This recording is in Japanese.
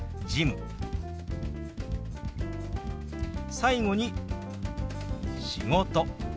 最後に「仕事」。